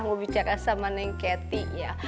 mau bicara sama neng keti ya